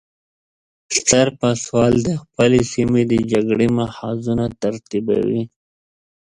ستر پاسوال د خپلې سیمې د جګړې محاذونه ترتیبوي.